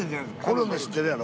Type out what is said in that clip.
コロネ知ってるやろ？